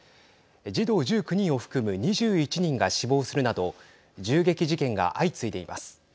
児童１９人を含む２１人が死亡するなど銃撃事件が相次いでいます。